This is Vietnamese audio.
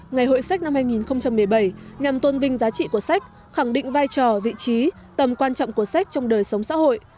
ngày hội sách năm hai nghìn một mươi bảy nhằm tôn vinh giá trị của sách khẳng định vai trò vị trí tầm quan trọng của sách trong đời sống xã hội